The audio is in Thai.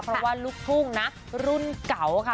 เพราะว่าลูกทุ่งนะรุ่นเก่าค่ะ